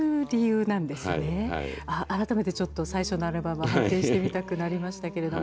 改めてちょっと最初のアルバムを拝見してみたくなりましたけれども。